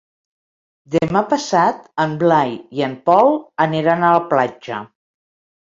Demà passat en Blai i en Pol aniran a la platja.